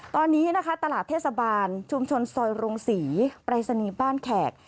ตอนนี้นะคะตลาดเทศบาลชุมชนซอยโรงศรีปรายศนีย์บ้านแขก